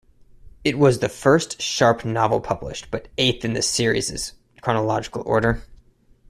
It was the first Sharpe novel published, but eighth in the series' chronological order.